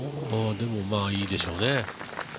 でもいいでしょうね。